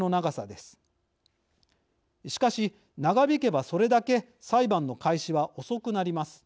しかし長引けばそれだけ裁判の開始は遅くなります。